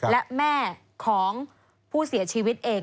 และแม่ของผู้เสียชีวิตเอง